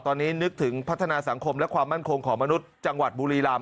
ตอนนี้นึกถึงพัฒนาสังคมและความมั่นคงของมนุษย์จังหวัดบุรีรำ